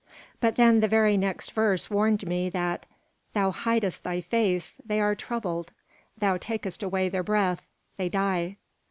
But then the very next verse warned me that "Thou hidest thy face, they are troubled: thou takest away their breath, they die."